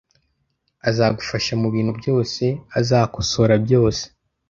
Azagufasha mubintu byose, azakosora byose